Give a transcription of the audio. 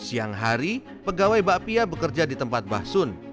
hari hari pegawai bakpia bekerja di tempat mbak sun